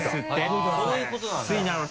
そういうことなんだ。